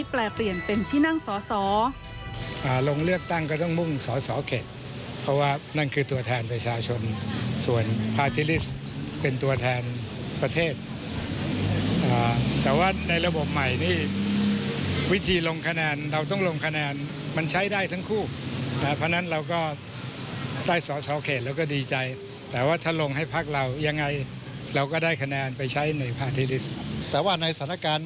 แปลเปลี่ยนเป็นที่นั่งสอ